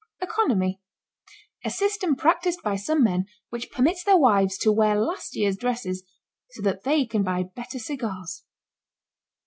ECONOMY. A system practiced by some men which permits their wives to wear last year's dresses so that they can buy better cigars.